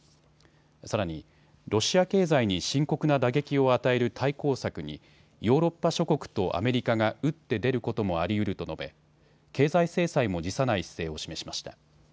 さらにロシア経済に深刻な打撃を与える対抗策にヨーロッパ諸国とアメリカが打って出ることもありうると述べ経済制裁も辞さない姿勢を示しました。